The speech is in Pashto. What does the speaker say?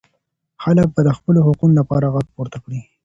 خلګ به د خپلو حقونو لپاره ږغ پورته کړي.